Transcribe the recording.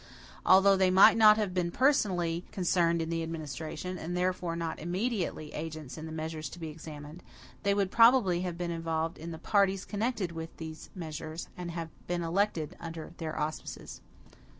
Although they might not have been personally concerned in the administration, and therefore not immediately agents in the measures to be examined, they would probably have been involved in the parties connected with these measures, and have been elected under their auspices.